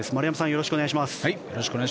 よろしくお願いします。